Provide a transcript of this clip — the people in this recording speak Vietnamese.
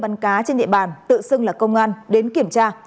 bắn cá trên địa bàn tự xưng là công an đến kiểm tra